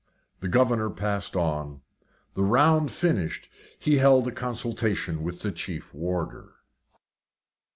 The governor passed on. The round finished, he held a consultation with the chief warder.